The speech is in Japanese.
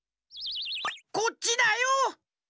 こっちだよ。